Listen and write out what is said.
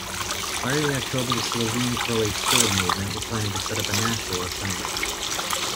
By early October, the Slovene-Croat-Serb movement were planning to set up a National Assembly.